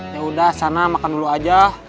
yaudah sana makan dulu aja